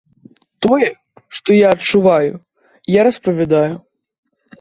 Тое, што я адчуваю, я распавядаю.